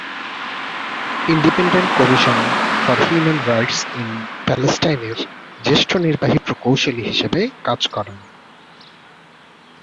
Independent commission for human rights in প্যালেস্টাইনের জ্যেষ্ঠ নির্বাহী প্রকৌশলী হিসেবে কাজ করেন।